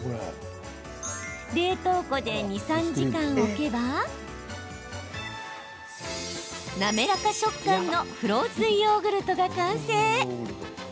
冷凍庫で２、３時間置けば滑らか食感のフローズンヨーグルトが完成。